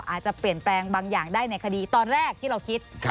อาจจะเปลี่ยนแปลงบางอย่างได้ในคดีตอนแรกที่เราคิด